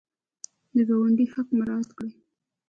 د ګاونډي حق مراعات کړئ